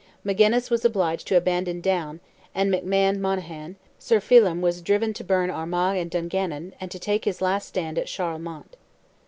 Magennis was obliged to abandon Down, and McMahon Monaghan; Sir Philem was driven to burn Armagh and Dungannon, and to take his last stand at Charlemont.